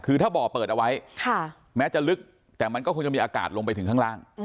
คือถ้าบ่อเปิดเอาไว้แม้จะลึกแต่มันก็คงจะมีอากาศลงไปถึงข้างล่าง